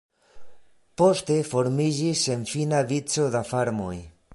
Poste formiĝis senfina vico da farmoj.